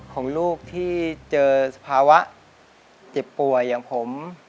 ของลูกที่เจอสภาวะเจ็บป่วยอย่างผม